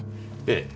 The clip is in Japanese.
ええ。